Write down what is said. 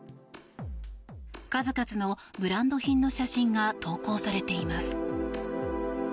数々のブランド品の写真が投稿されています。